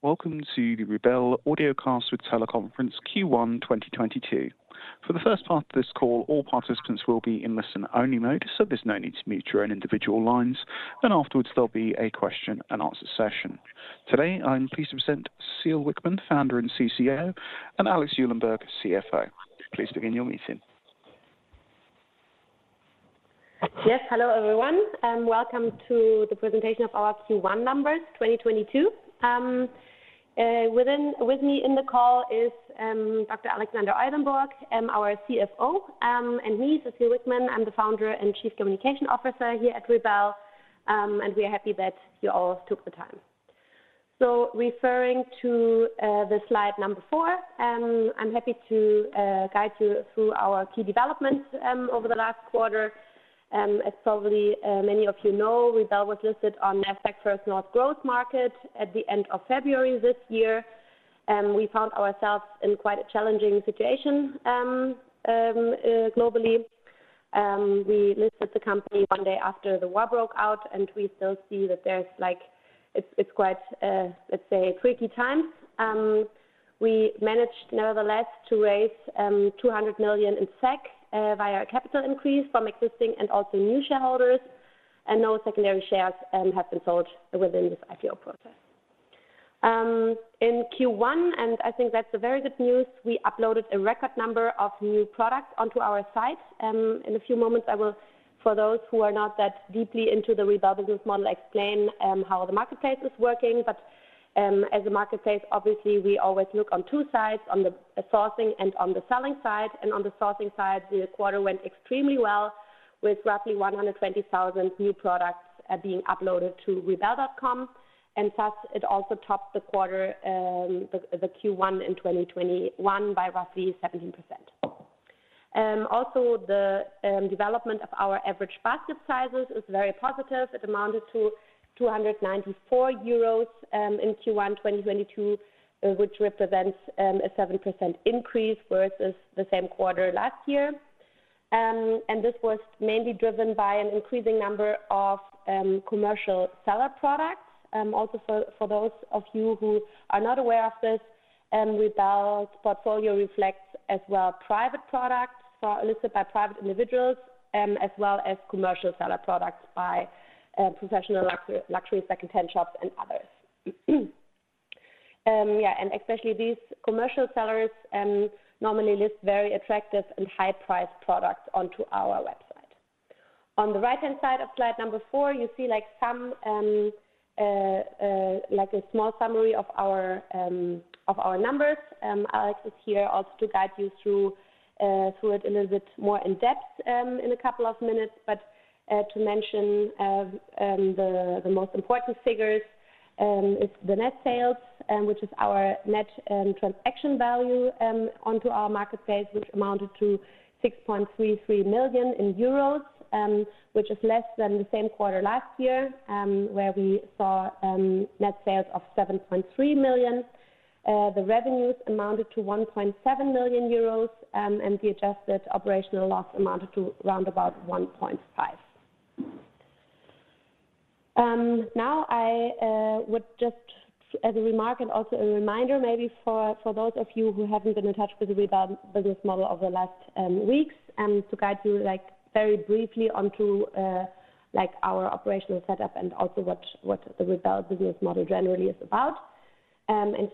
Welcome to the Rebelle Audiocast with Teleconference Q1 2022. For the first part of this call, all participants will be in listen-only mode, so there's no need to mute your own individual lines. Afterwards, there'll be a question and answer session. Today, I'm pleased to present Cécile Wickmann, founder and CCO, and Alexander Uhlenberg, CFO. Please begin your meeting. Hello, everyone, and welcome to the presentation of our Q1 numbers 2022. With me on the call is Dr. Alexander Uhlenberg, our CFO, and me, Cécile Wickmann. I'm the founder and Chief Communication Officer here at Rebelle, and we are happy that you all took the time. Referring to the slide number four, I'm happy to guide you through our key developments over the last quarter. As probably many of you know, Rebelle was listed on Nasdaq First North Growth Market at the end of February this year, and we found ourselves in quite a challenging situation globally. We listed the company one day after the war broke out, and we still see that there's, like, it's quite, let's say, a tricky time. We managed nevertheless to raise 200 million via a capital increase from existing and also new shareholders, and no secondary shares have been sold within this IPO process. In Q1, and I think that's a very good news, we uploaded a record number of new products onto our site. In a few moments, I will, for those who are not that deeply into the Rebelle business model, explain how the marketplace is working. As a marketplace, obviously we always look on two sides, on the sourcing and on the selling side. On the sourcing side, the quarter went extremely well with roughly 120,000 new products being uploaded to rebelle.com. Thus, it also topped the quarter, the Q1 in 2021 by roughly 17%. Also, the development of our average basket sizes is very positive. It amounted to 294 euros in Q1 2022, which represents a 7% increase versus the same quarter last year. This was mainly driven by an increasing number of commercial seller products. Also for those of you who are not aware of this, Rebelle's portfolio reflects as well private products listed by private individuals, as well as commercial seller products by professional luxury second-hand shops and others. Especially these commercial sellers normally list very attractive and high-priced products onto our website. On the right-hand side of slide number four, you see, like, some, like, a small summary of our numbers. Alex Uhlenberg is here also to guide you through it a little bit more in depth in a couple of minutes. To mention the most important figures, it's the net sales, which is our net transaction value onto our marketplace, which amounted to 6.33 million euros, which is less than the same quarter last year, where we saw net sales of 7.3 million. The revenues amounted to 1.7 million euros, and the adjusted operational loss amounted to around 1.5 million. Now I would just as a remark and also a reminder maybe for those of you who haven't been in touch with the Rebelle business model over the last weeks to guide you like very briefly onto like our operational setup and also what the Rebelle business model generally is about.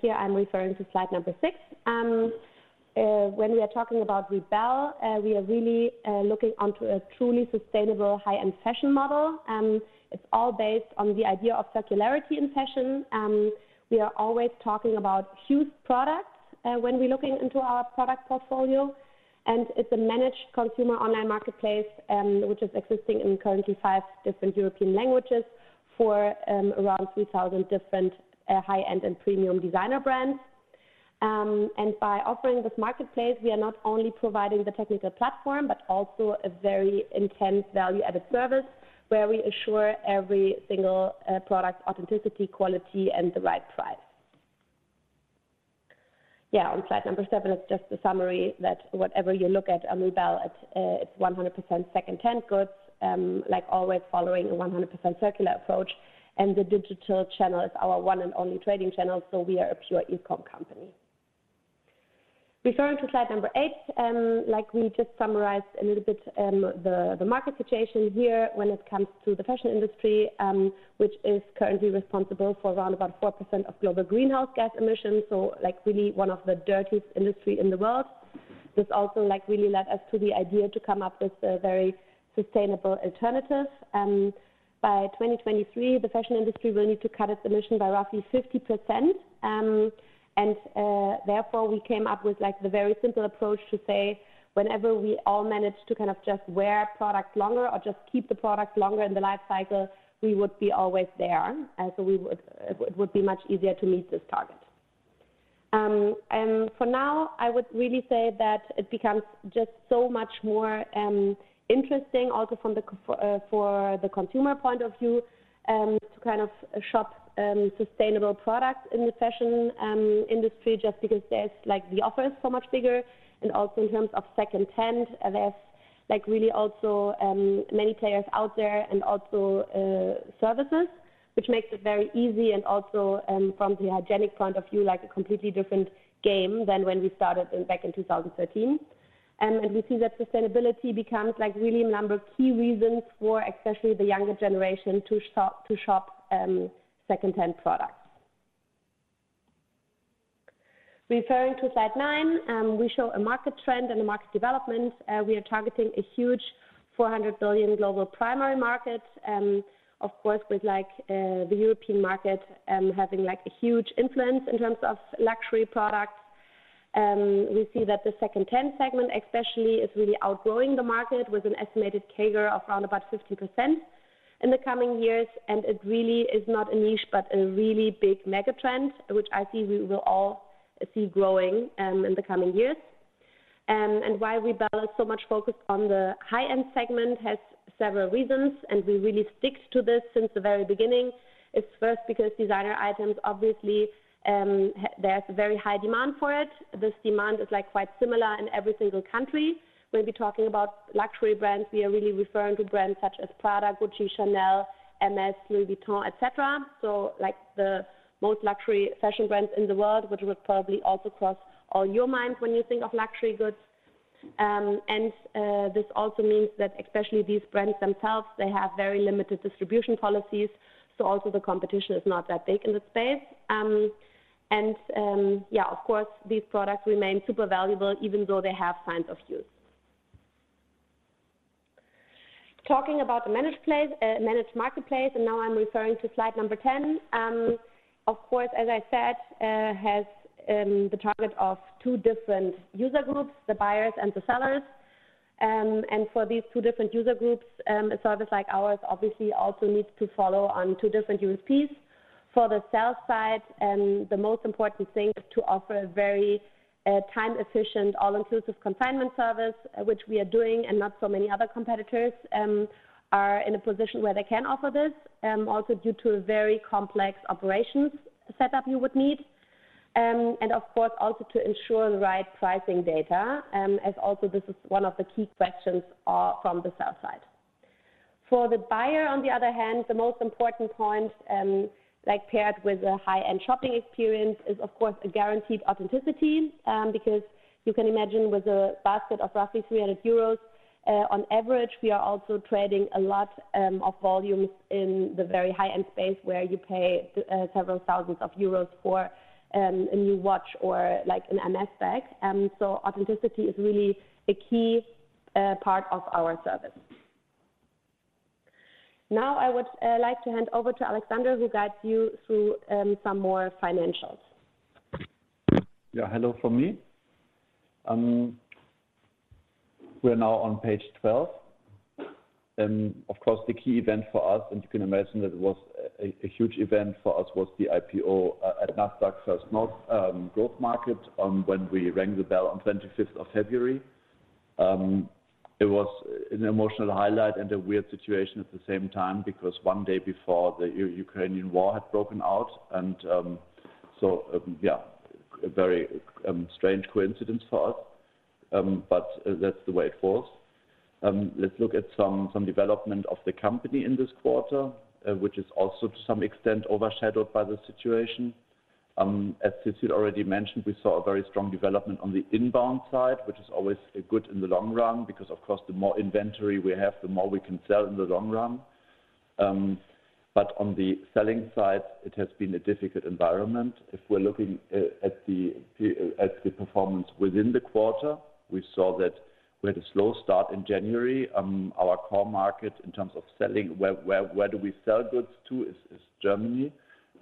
Here I'm referring to slide number six. When we are talking about Rebelle, we are really looking onto a truly sustainable high-end fashion model. It's all based on the idea of circularity in fashion. We are always talking about huge products when we're looking into our product portfolio, and it's a managed consumer online marketplace which is existing in currently five different European languages for around 3,000 different high-end and premium designer brands. By offering this marketplace, we are not only providing the technical platform, but also a very intense value-added service where we assure every single product authenticity, quality, and the right price. On slide number seven, it's just a summary that whatever you look at Rebelle, it's 100% second-hand goods, like always following a 100% circular approach, and the digital channel is our one and only trading channel, so we are a pure e-com company. Referring to slide number eight, like we just summarized a little bit, the market situation here when it comes to the fashion industry, which is currently responsible for around about 4% of global greenhouse gas emissions, like, really one of the dirtiest industry in the world. This also, like, really led us to the idea to come up with a very sustainable alternative. By 2023, the fashion industry will need to cut its emissions by roughly 50%, and therefore, we came up with, like, the very simple approach to say, whenever we all manage to kind of just wear products longer or just keep the products longer in the life cycle, we would be always there. It would be much easier to meet this target. For now, I would really say that it becomes just so much more interesting also for the consumer point of view, to kind of shop sustainable products in the fashion industry just because there's, like, the offer is so much bigger. In terms of second-hand, there's like really also many players out there and also services, which makes it very easy and also from the hygienic point of view, like a completely different game than when we started back in 2013. We see that sustainability becomes like really a number of key reasons for especially the younger generation to shop second-hand products. Referring to slide nine, we show a market trend and a market development. We are targeting a huge 400 billion global primary market, of course, with like the European market having like a huge influence in terms of luxury products. We see that the second-hand segment especially is really outgrowing the market with an estimated CAGR of around 50% in the coming years. It really is not a niche, but a really big mega trend, which I see we will all see growing, in the coming years. Why Rebelle is so much focused on the high-end segment has several reasons, and we really stick to this since the very beginning. It's first because designer items, obviously, there's a very high demand for it. This demand is, like, quite similar in every single country. When we talking about luxury brands, we are really referring to brands such as Prada, Gucci, Chanel, Hermès, Louis Vuitton, et cetera. So like the most luxury fashion brands in the world, which would probably also cross on your mind when you think of luxury goods. This also means that especially these brands themselves, they have very limited distribution policies, so also the competition is not that big in the space. Of course, these products remain super valuable even though they have signs of use. Talking about the managed marketplace, now I'm referring to slide number 10. As I said, has the target of two different user groups, the buyers and the sellers. For these two different user groups, a service like ours obviously also needs to focus on two different USPs. For the sell side, the most important thing is to offer a very time-efficient, all-inclusive consignment service, which we are doing, and not so many other competitors are in a position where they can offer this, also due to a very complex operations set up you would need. Of course, also to ensure the right pricing data, as also this is one of the key questions from the sell side. For the buyer, on the other hand, the most important point, like paired with a high-end shopping experience, is of course a guaranteed authenticity. Because you can imagine with a basket of roughly 300 euros, on average, we are also trading a lot of volumes in the very high-end space where you pay several thousand euros for a new watch or like an Hermès bag. Authenticity is really a key part of our service. Now, I would like to hand over to Alexander, who guides you through some more financials. Yeah. Hello from me. We're now on page 12. Of course, the key event for us, and you can imagine that it was a huge event for us, was the IPO at Nasdaq First North Growth Market when we rang the bell on 25th of February. It was an emotional highlight and a weird situation at the same time because one day before the Ukrainian war had broken out and, so, yeah, a very strange coincidence for us. That's the way it was. Let's look at some development of the company in this quarter, which is also to some extent overshadowed by the situation. As Cécile already mentioned, we saw a very strong development on the inbound side, which is always good in the long run because of course the more inventory we have, the more we can sell in the long run. On the selling side, it has been a difficult environment. If we're looking at the performance within the quarter, we saw that we had a slow start in January. Our core market in terms of selling, where we sell goods to is Germany,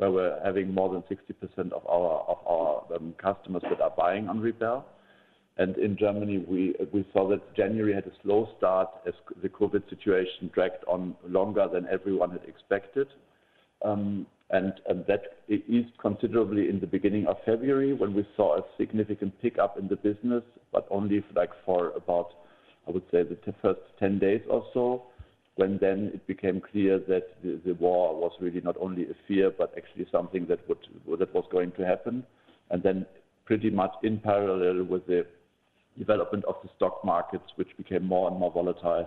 where we're having more than 60% of our customers that are buying on Rebelle. In Germany, we saw that January had a slow start as the COVID situation dragged on longer than everyone had expected. That eased considerably in the beginning of February when we saw a significant pickup in the business, but only for like, for about, I would say, the first 10 days or so. When it became clear that the war was really not only a fear, but actually something that was going to happen. Pretty much in parallel with the development of the stock markets, which became more and more volatile,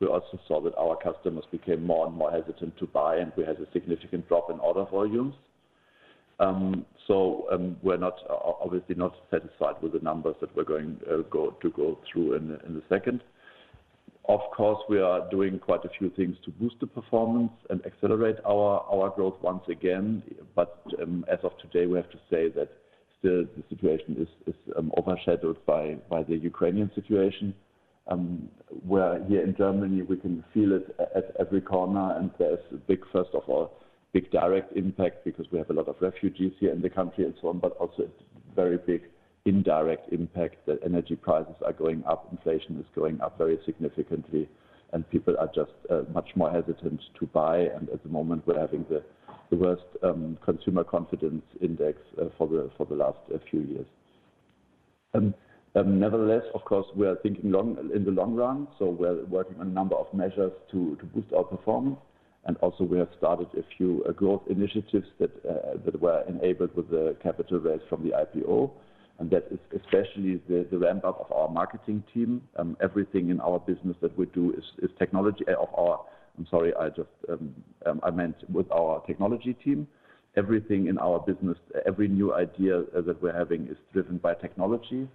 we also saw that our customers became more and more hesitant to buy, and we had a significant drop in order volumes. We're obviously not satisfied with the numbers that we're going to go through in a second. Of course, we are doing quite a few things to boost the performance and accelerate our growth once again. As of today, we have to say that still the situation is overshadowed by the Ukrainian situation, where here in Germany, we can feel it at every corner. There's a big direct impact because we have a lot of refugees here in the country and so on. Also it's very big indirect impact that energy prices are going up, inflation is going up very significantly, and people are just much more hesitant to buy. At the moment, we're having the worst consumer confidence index for the last few years. Nevertheless, of course, we are thinking in the long run, so we're working on a number of measures to boost our performance. Also we have started a few growth initiatives that were enabled with the capital raise from the IPO, and that is especially the ramp-up of our marketing team. Everything in our business that we do is technology. I meant with our technology team. Everything in our business, every new idea that we're having is driven by technology.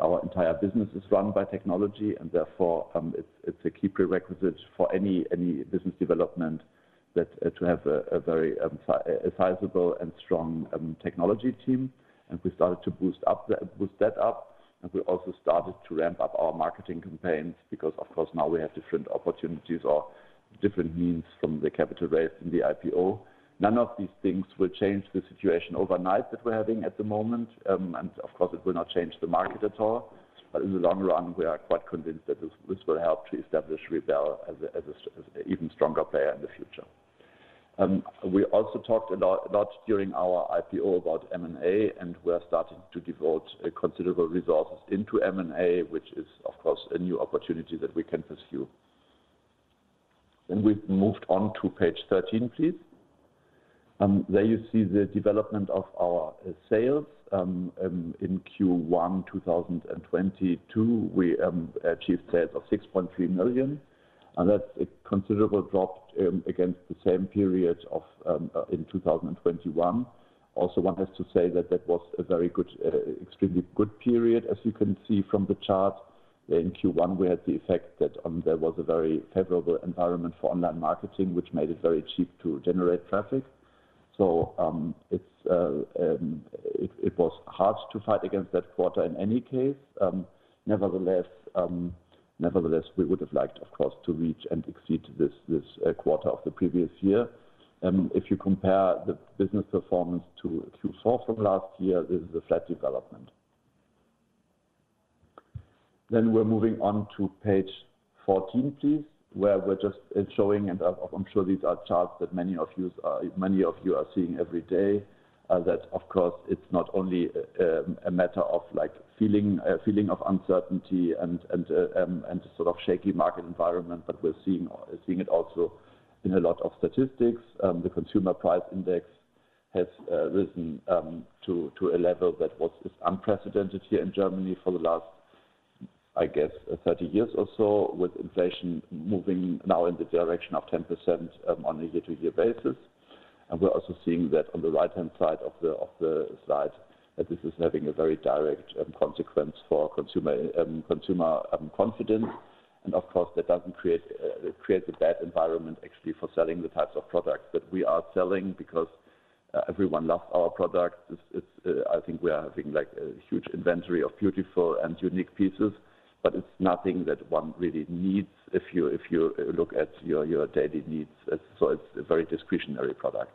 Our entire business is run by technology, and therefore, it's a key prerequisite for any business development that to have a very sizable and strong technology team. We started to boost that up, and we also started to ramp up our marketing campaigns because, of course, now we have different opportunities or different means from the capital raise in the IPO. None of these things will change the situation overnight that we're having at the moment, and of course, it will not change the market at all. But in the long run, we are quite convinced that this will help to establish Rebelle as an even stronger player in the future. We also talked a lot during our IPO about M&A, and we are starting to devote considerable resources to M&A, which is, of course, a new opportunity that we can pursue. We've moved on to page 13, please. There you see the development of our sales. In Q1 2022, we achieved sales of 6.3 million. That's a considerable drop against the same period in 2021. One has to say that was a very good, extremely good period, as you can see from the chart. In Q1, we had the effect that, there was a very favorable environment for online marketing, which made it very cheap to generate traffic. It was hard to fight against that quarter in any case. Nevertheless, we would have liked, of course, to reach and exceed this quarter of the previous year. If you compare the business performance to Q4 from last year, this is a flat development. We're moving on to page 14, please, where we're just, it's showing, and I'm sure these are charts that many of you are seeing every day. That, of course, it's not only a matter of, like, feeling—a feeling of uncertainty and sort of shaky market environment—but we're seeing it also in a lot of statistics. The consumer price index has risen to a level that is unprecedented here in Germany for the last, I guess, 30 years or so, with inflation moving now in the direction of 10%, on a year-to-year basis. We're also seeing that on the right-hand side of the slide, that this is having a very direct consequence for consumer confidence. Of course, that doesn't create a bad environment actually for selling the types of products that we are selling because everyone loves our products. It's I think we are having like a huge inventory of beautiful and unique pieces, but it's nothing that one really needs if you look at your daily needs. It's a very discretionary product.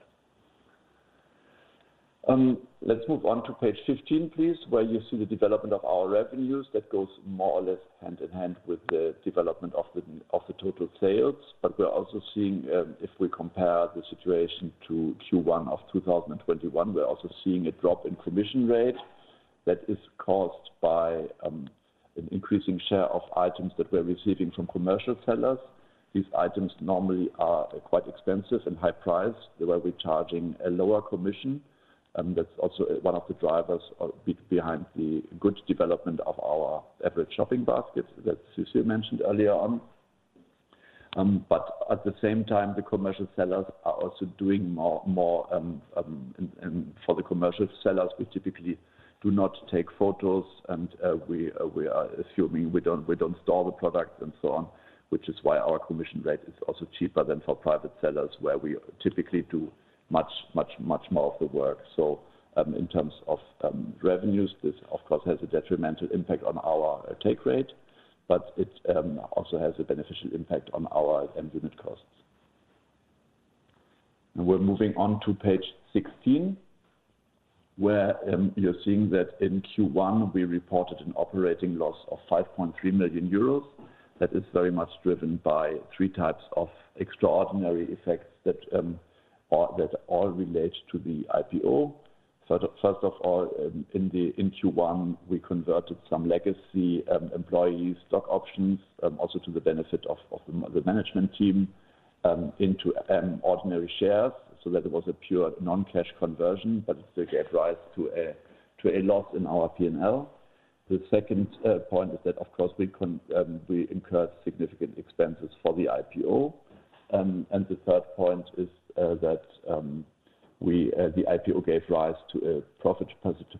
Let's move on to page 15, please, where you see the development of our revenues that goes more or less hand in hand with the development of the total sales. We're also seeing if we compare the situation to Q1 of 2021, we're also seeing a drop in commission rate that is caused by an increasing share of items that we're receiving from commercial sellers. These items normally are quite expensive and high price. They will be charging a lower commission, and that's also one of the drivers behind the good development of our average shopping baskets that Cécile mentioned earlier on. At the same time, the commercial sellers are also doing more. For the commercial sellers, we typically do not take photos and we are assuming we don't store the product and so on, which is why our commission rate is also cheaper than for private sellers, where we typically do much more of the work. In terms of revenues, this of course has a detrimental impact on our take rate, but it also has a beneficial impact on our unit costs. We're moving on to page 16, where you're seeing that in Q1, we reported an operating loss of 5.3 million euros. That is very much driven by three types of extraordinary effects that all relate to the IPO. First of all, in Q1, we converted some legacy employee stock options, also to the benefit of the management team, into ordinary shares, so that it was a pure non-cash conversion, but it still gave rise to a loss in our P&L. The second point is that, of course, we incurred significant expenses for the IPO. The third point is that the IPO gave rise to a profit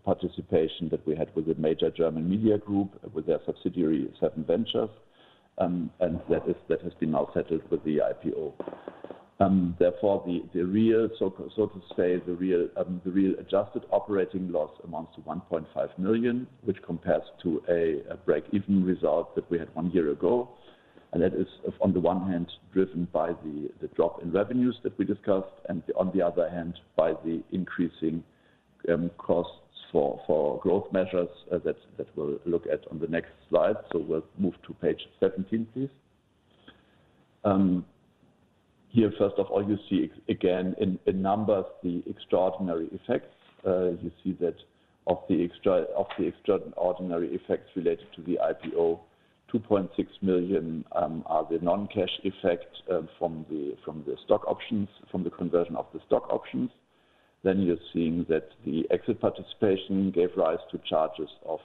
participation that we had with a major German media group with their subsidiary, SevenVentures. That has been now settled with the IPO. Therefore, the real adjusted operating loss amounts to 1.5 million, which compares to a break-even result that we had one year ago. That is of, on the one hand, driven by the drop in revenues that we discussed, and on the other hand, by the increasing costs for growth measures that we'll look at on the next slide. We'll move to page 17, please. Here, first of all, you see again in numbers the extraordinary effects. You see that of the extraordinary effects related to the IPO, 2.6 million are the non-cash effect from the stock options, from the conversion of the stock options. You're seeing that the exit participation gave rise to charges of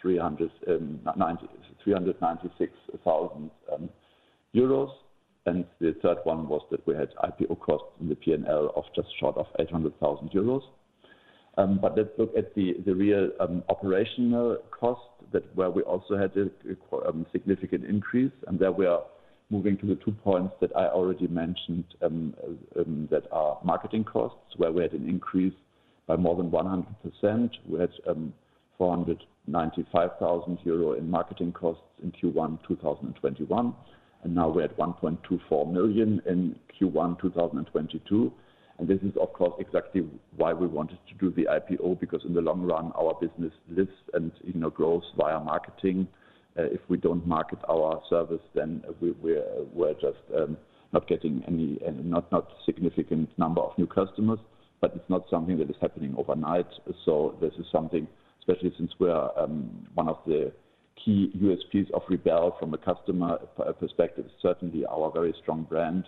396,000 euros. The third one was that we had IPO costs in the PNL of just short of 800,000 euros. Let's look at the real operational costs where we also had a significant increase, and there we are moving to the two points that I already mentioned that are marketing costs, where we had an increase by more than 100%. We had 495 thousand euro in marketing costs in Q1 2021, and now we're at 1.24 million in Q1 2022. This is, of course, exactly why we wanted to do the IPO, because in the long run, our business lives and, you know, grows via marketing. If we don't market our service, then we're just not getting any significant number of new customers. It's not something that is happening overnight. This is something, especially since we are one of the key USPs of Rebelle from a customer perspective, certainly our very strong brand.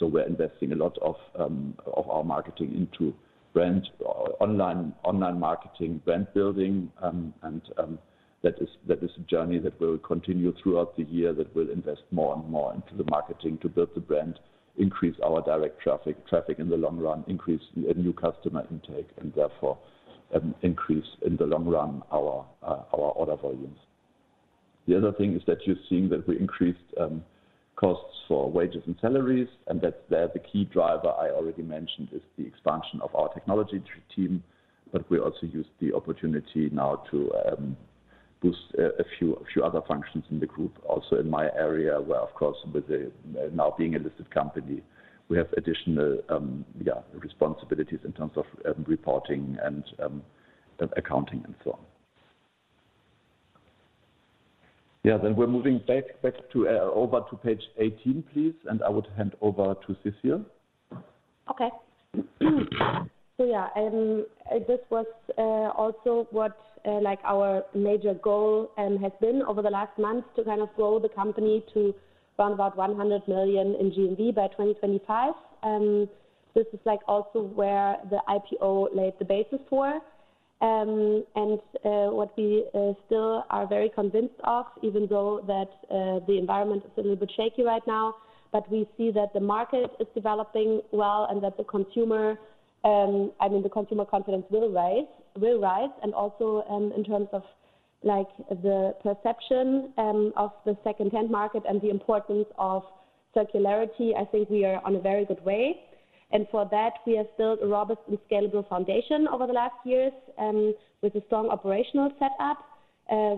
We're investing a lot of our marketing into brand online marketing, brand building. That is a journey that will continue throughout the year, that we'll invest more and more into the marketing to build the brand, increase our direct traffic in the long run, increase new customer intake, and therefore, increase in the long run our order volumes. The other thing is that you're seeing that we increased costs for wages and salaries, and that's there. The key driver I already mentioned is the expansion of our technology team, but we also use the opportunity now to boost a few other functions in the group. Also in my area, where, of course, with now being a listed company, we have additional responsibilities in terms of reporting and accounting and so on. We're moving back to page 18, please, and I would hand over to Cécile. Okay. Yeah, this was also what, like, our major goal has been over the last months to kind of grow the company to around about 100 million in GMV by 2025. This is like also where the IPO laid the basis for, and what we still are very convinced of, even though that the environment is a little bit shaky right now. We see that the market is developing well and that the consumer, I mean, the consumer confidence will rise. Also, in terms of, like, the perception of the second-hand market and the importance of circularity, I think we are on a very good way. For that, we have built a robust and scalable foundation over the last years with a strong operational setup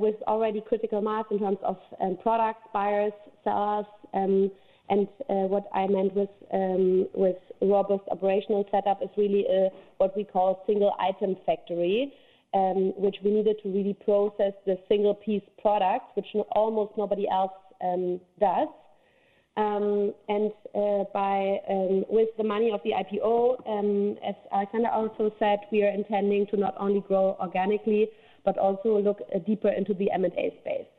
with already critical mass in terms of product, buyers, sellers. What I meant with robust operational setup is really what we call single item factory, which we needed to really process the single-piece product, which almost nobody else does. With the money of the IPO, as Alexander also said, we are intending to not only grow organically, but also look deeper into the M&A space.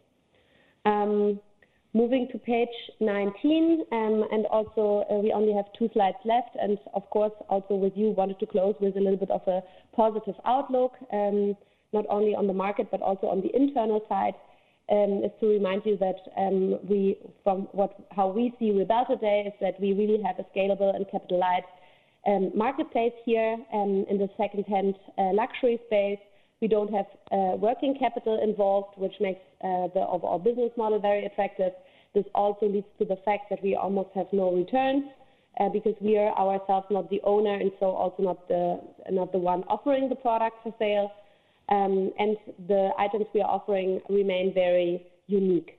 Moving to page 19, and also we only have two slides left, and of course, also with you wanted to close with a little bit of a positive outlook, not only on the market but also on the internal side. is to remind you that from how we see Rebelle today is that we really have a scalable and capitalized marketplace here in the second-hand luxury space. We don't have working capital involved, which makes our business model very effective. This also leads to the fact that we almost have no returns because we are ourselves not the owner and so also not the one offering the product for sale. The items we are offering remain very unique.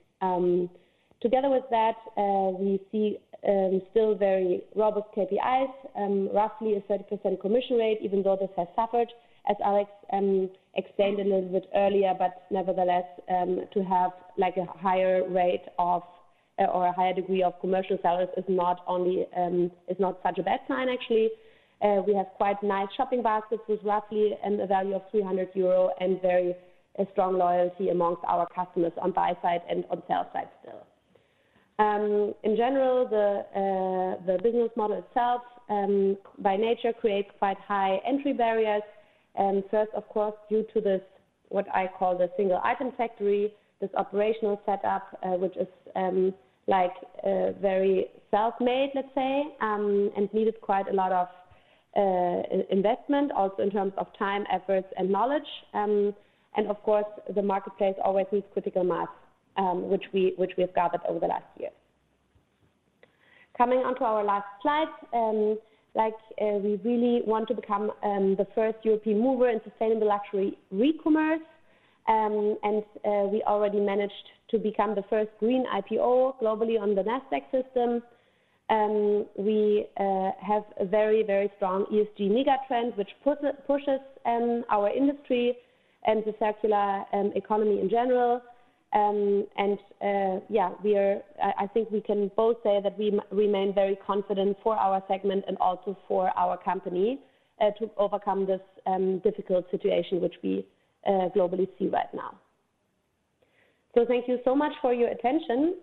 Together with that, we see still very robust KPIs, roughly a 30% commission rate, even though this has suffered, as Alex explained a little bit earlier. Nevertheless, to have like a higher rate of or a higher degree of commercial sellers is not such a bad sign actually. We have quite nice shopping baskets with roughly a value of 300 euro and very strong loyalty among our customers on buy side and on sell side still. In general, the business model itself by nature creates quite high entry barriers. First, of course, due to this, what I call the single item factory, this operational setup, which is like very self-made, let's say, and needed quite a lot of investment, also in terms of time, efforts and knowledge. Of course, the marketplace always needs critical mass, which we have gathered over the last years. Coming onto our last slide, like, we really want to become the first European mover in sustainable luxury re-commerce. We already managed to become the first green IPO globally on the Nasdaq. We have a very strong ESG mega trend which pushes our industry and the circular economy in general. Yeah, I think we can both say that we remain very confident for our segment and also for our company to overcome this difficult situation which we globally see right now. Thank you so much for your attention.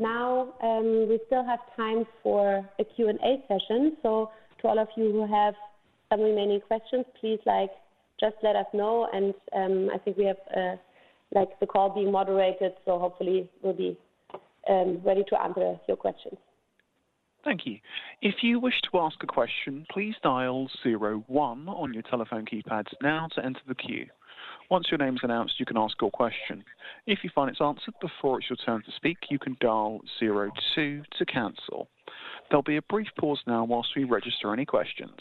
Now, we still have time for a Q&A session. To all of you who have some remaining questions, please, like, just let us know. I think we have, like, the call being moderated, so hopefully we'll be ready to answer your questions. Thank you. If you wish to ask a question, please dial zero one on your telephone keypads now to enter the queue. Once your name's announced, you can ask your question. If you find it's answered before it's your turn to speak, you can dial zero two to cancel. There'll be a brief pause now while we register any questions.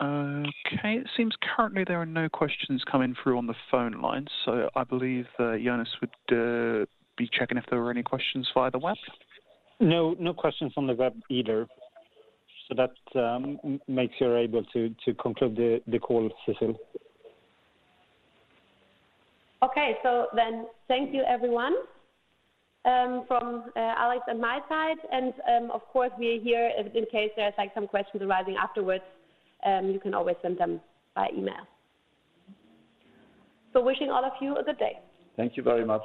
Okay. It seems currently there are no questions coming through on the phone line, so I believe Jonas would be checking if there were any questions via the web. No, no questions on the web either. Makes you able to conclude the call, Cécile. Thank you, everyone, from Alex and my side. Of course we are here in case there's some questions arising afterwards. You can always send them by email. Wishing all of you a good day. Thank you very much.